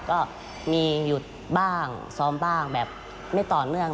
ก็มีหยุดบ้างซ้อมบ้างแบบไม่ต่อเนื่อง